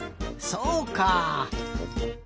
そうか。